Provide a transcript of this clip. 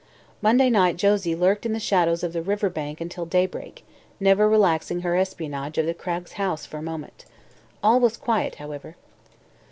Monday night Josie lurked in the shadows of the river bank until daybreak, never relaxing her espionage of the Cragg house for a moment. All was quiet, however.